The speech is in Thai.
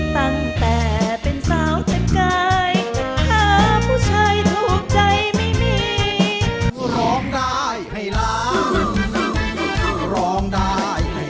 ถ้าผู้ชายถูกใจไม่มี